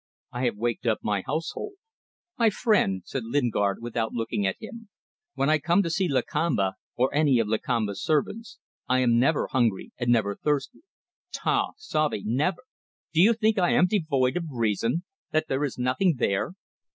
"I have waked up my household." "My friend," said Lingard, without looking at him, "when I come to see Lakamba, or any of Lakamba's servants, I am never hungry and never thirsty. Tau! Savee! Never! Do you think I am devoid of reason? That there is nothing there?"